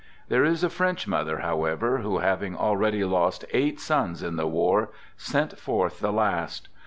There is a French mother, however, who having already lost eight sons in the war, sent forth the last.